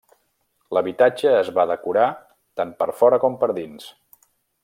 L'habitatge es va decorar tant per fora com per dins.